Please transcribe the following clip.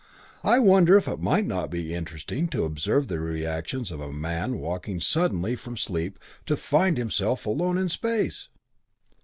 "I wonder if it might not be interesting to observe the reactions of a man waking suddenly from sleep to find himself alone in space?"